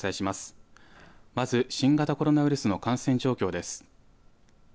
まず新型コロナウイルスの感染状況です。